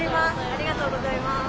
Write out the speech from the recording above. ありがとうございます。